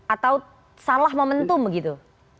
atau salah momentum begitu